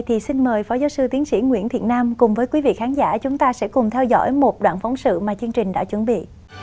thì xin mời phó giáo sư tiến sĩ nguyễn thiện nam cùng với quý vị khán giả chúng ta sẽ cùng theo dõi một đoạn phóng sự mà chương trình đã chuẩn bị